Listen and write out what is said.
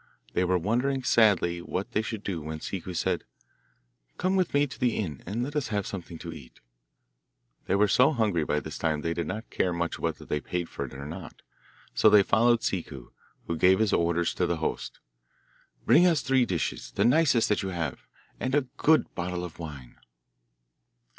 They were wondering sadly what they should do when Ciccu said, 'Come with me to the inn and let us have something to eat.' They were so hungry by this time that they did not care much whether they paid for it or not, so they followed Ciccu, who gave his orders to the host. 'Bring us three dishes, the nicest that you have, and a good bottle of wine.